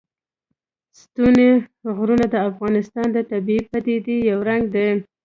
ستوني غرونه د افغانستان د طبیعي پدیدو یو رنګ دی.